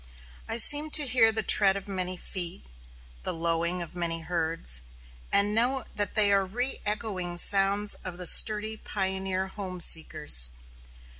I seem to hear the tread of many feet, the lowing of many herds, and know they are the re echoing sounds of the sturdy pioneer home seekers.